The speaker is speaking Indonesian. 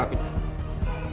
bapak tau kan